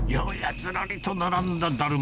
ずらりと並んだだるま。